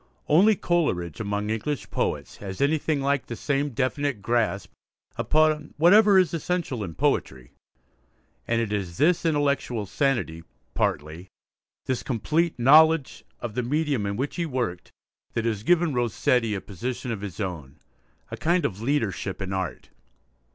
Only Coleridge among English poets has anything like the same definite grasp upon whatever is essential in poetry. And it is this intellectual sanity partly, this complete knowledge of the medium in which he worked, that has given Rossetti a position of his own, a kind of leadership in art.